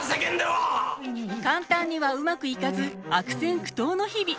簡単にはうまくいかず悪戦苦闘の日々。